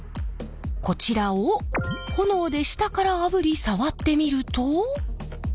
こちらを炎で下からあぶり触ってみると。